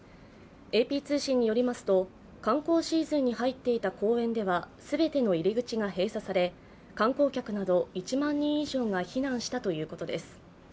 ＡＰ通信によりますと観光シーズンに入っていた公園では全ての入り口が閉鎖され、観光客など１万人以上が避難したということです。